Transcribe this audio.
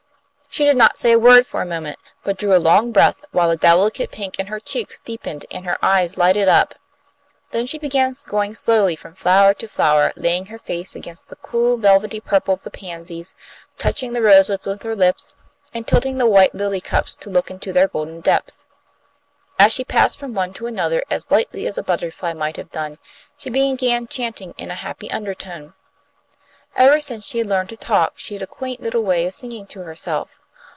She did not say a word for a moment, but drew a long breath, while the delicate pink in her cheeks deepened and her eyes lighted up. Then she began going slowly from flower to flower, laying her face against the cool, velvety purple of the pansies, touching the roses with her lips, and tilting the white lily cups to look into their golden depths. As she passed from one to another as lightly as a butterfly might have done, she began chanting in a happy undertone. Ever since she had learned to talk she had a quaint little way of singing to herself.